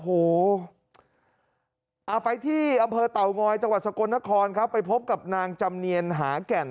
โอ้โหเอาไปที่อำเภอเต่างอยจังหวัดสกลนครครับไปพบกับนางจำเนียนหาแก่น